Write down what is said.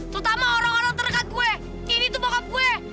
terutama orang orang terdekat gue ini tuh bakab gue